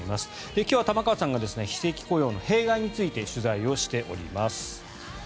今日は玉川さんが非正規雇用の弊害について取材をしております。